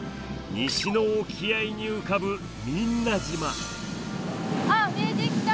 西の沖合に浮かぶ水納島。